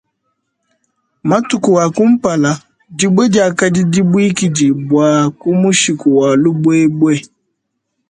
Matuku a kumpala, dibue diakadi dibuikidibua ku mushiku wa lubuebue.